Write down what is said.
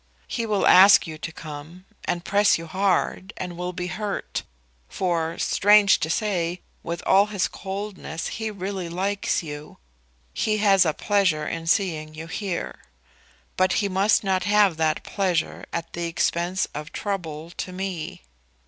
He will ask you to come, and press you hard, and will be hurt; for, strange to say, with all his coldness, he really likes you. He has a pleasure in seeing you here. But he must not have that pleasure at the expense of trouble to me."